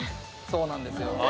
そうなんですよ